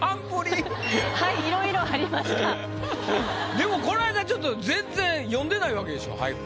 でもこの間ちょっと全然詠んでないわけでしょ俳句は。